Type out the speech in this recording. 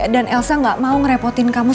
elsa gak mau ngerepotin kamu